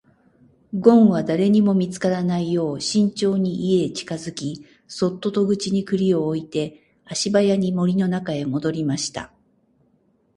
ごんは誰にも見つからないよう慎重に家へ近づき、そっと戸口に栗を置いて足早に森の中へ戻りました。